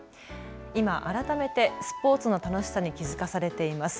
今、改めてスポーツの楽しさに気付かされています。